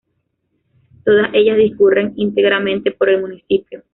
Todas ellas discurren íntegramente por el municipio.